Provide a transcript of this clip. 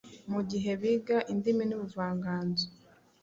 Mu gihe biga indimi n’ubuvanganzo,